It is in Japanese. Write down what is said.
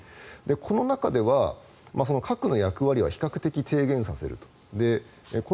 この中では核の役割は比較的低減させると。